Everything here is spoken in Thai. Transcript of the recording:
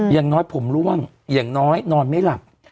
อย่างน้อยผมร่วงอย่างน้อยนอนไม่หลับ